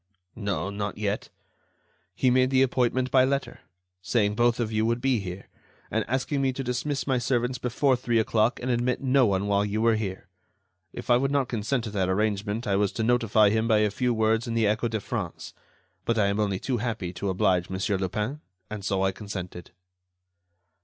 No, not yet. He made the appointment by letter, saying both of you would be here, and asking me to dismiss my servants before three o'clock and admit no one while you were here. If I would not consent to that arrangement, I was to notify him by a few words in the Echo de France. But I am only too happy to oblige Mon. Lupin, and so I consented."